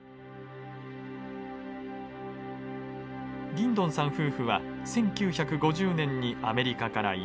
ギンドンさん夫婦は１９５０年にアメリカから移住。